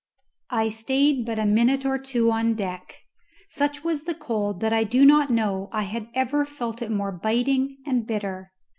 I stayed but a minute or two on deck. Such was the cold that I do not know I had ever felt it more biting and bitter.